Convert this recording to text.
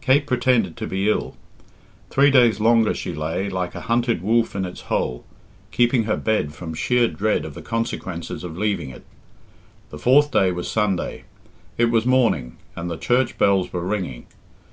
Kate pretended to be ill. Three days longer she lay, like a hunted wolf in its hole, keeping her bed from sheer dread of the consequences of leaving it. The fourth day was Sunday. It was morning, and the church bells were ringing.